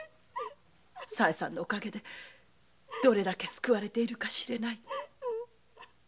さえさんのお陰でどれだけ救われているかしれないと。